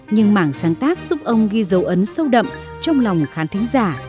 nhưng mảng sáng tác giúp ông ghi dấu ấn sâu đậm trong lòng khán thính giả